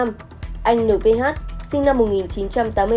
anh nvh sinh năm một nghìn chín trăm tám mươi bốn